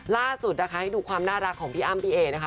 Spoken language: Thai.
ล่าสุดนะคะให้ดูความน่ารักของพี่อ้ำพี่เอนะคะ